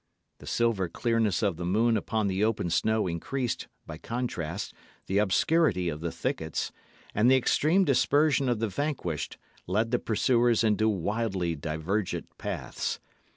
The silver clearness of the moon upon the open snow increased, by contrast, the obscurity of the thickets; and the extreme dispersion of the vanquished led the pursuers into wildly divergent paths.